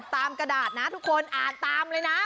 กระดาษนะทุกคนอ่านตามเลยนะ